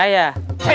saya mau pakai aki